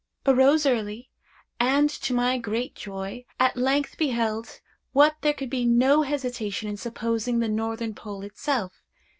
Arose early, and, to my great joy, at length beheld what there could be no hesitation in supposing the northern Pole itself.